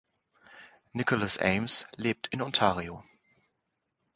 Nicholas Eames lebt in Ontario.